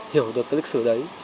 hiểu được cái lịch sử đấy